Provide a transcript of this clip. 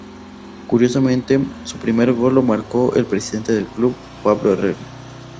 Curiosamente, su primer gol lo marcó el presidente del club, Pablo Herrera.